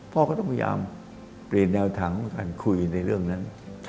พ่อก็ต้องพยายามเปลี่ยนแนวทางในการคุยในเรื่องนั้น